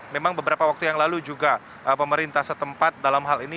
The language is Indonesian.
memang beberapa waktu yang lalu juga pemerintah setempat dalam hal ini